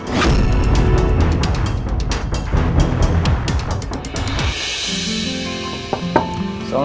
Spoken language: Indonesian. kita urus sekarang